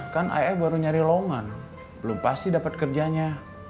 kan ayah baru nyari longan belum pasti dapat kerjanya